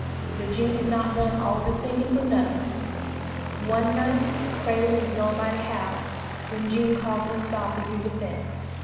But June had not done all her thinking for nothing. One night Creline was going by the house, when June called to her softly through the fence.